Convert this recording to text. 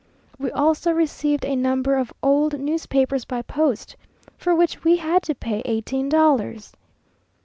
We also received a number of old newspapers by post, for which we had to pay eighteen dollars!